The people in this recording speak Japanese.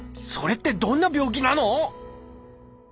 それってどんな病気なの？